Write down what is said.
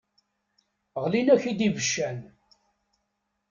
Ɣlin-ak-id ibeccan.